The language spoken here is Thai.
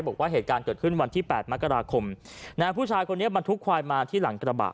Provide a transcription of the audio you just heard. บอกว่าเหตุการณ์เกิดขึ้นวันที่๘มกราคมนะฮะผู้ชายคนนี้บรรทุกควายมาที่หลังกระบะ